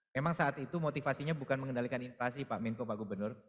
memang saat itu motivasinya bukan mengendalikan inflasi pak menko pak gubernur